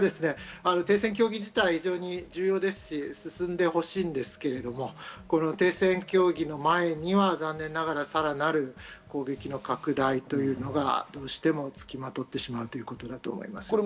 ですから停戦協議自体、非常に重要ですし進んでほしいんですけれども、停戦協議の前には残念ながらさらなる攻撃の拡大というのがどうしてもつきまとってしまうということだと思います。